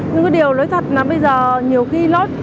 nhưng cái điều nói thật là bây giờ nhiều khi lắm